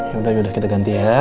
ya udah ya udah kita ganti ya